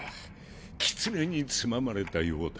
キツネにつままれたようだ。